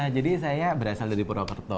jadi saya berasal dari purwokerto